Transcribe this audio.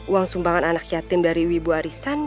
uang sumbangan anak yatim dari wibu arisan